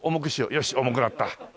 よし重くなった。